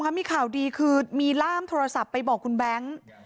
มีข่าวดีคือมีล่ามโทรศัพท์ไปบอกคุณแบงค์